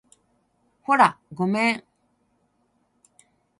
ほら、ごめん